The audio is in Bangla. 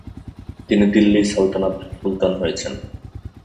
তিনি দিল্লী সালতানাতের সুলতান হয়েছেন।